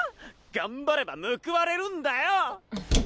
頑張れば報われるんだよ！